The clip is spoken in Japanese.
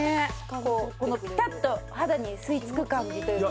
このピタッと肌に吸い付く感じというか。